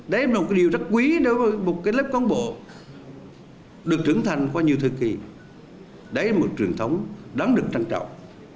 đấy là một điều rất quý để một lớp con bộ được trưởng thành qua nhiều thời kỳ đấy là một truyền thống đáng được trang trọng